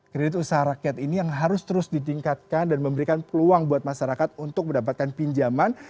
kredit usaha rakyat ini yang harus terus ditingkatkan dan memberikan peluang buat masyarakat untuk mendapatkan pinjaman